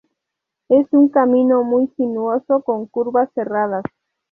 Es un camino muy sinuoso con curvas cerradas.